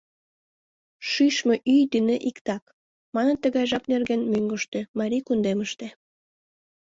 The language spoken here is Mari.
«Шӱшмӧ ӱй дене иктак», — маныт тыгай жап нерген мӧҥгыштӧ, марий кундемыште.